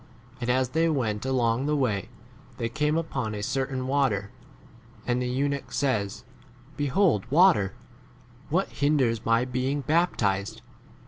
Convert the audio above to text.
And as they went along the way they came upon a certain water, and the eunuch says, Behold water; what hinders my being baptized